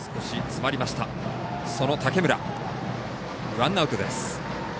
ワンアウトです。